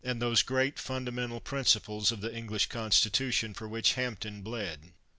246 WILKES those great fundamental principles of the Eng lish Constitution for which Hampden bled.